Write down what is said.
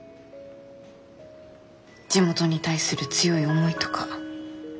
地元に対する強い思いとか。